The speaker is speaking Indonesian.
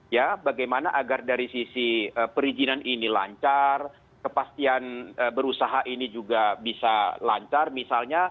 ya bagaimana agar dari sisi perizinan ini lancar kepastian berusaha ini juga bisa lancar misalnya